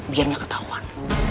biar gak ketahuan